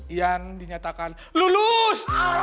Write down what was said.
ian dinyatakan lulus